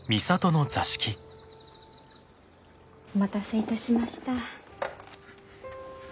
お待たせいたしました。